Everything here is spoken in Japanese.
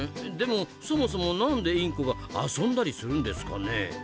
でもそもそもなんでインコが遊んだりするんですかねえ？